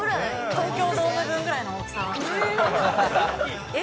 東京ドーム分ぐらいの大きさが。え？